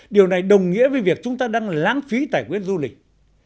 điều này đồng nghĩa với việc chúng ta đang lãng phí tài nguyên du lịch